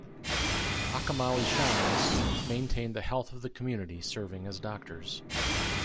Achomawi shamans maintained the health of the community, serving as doctors.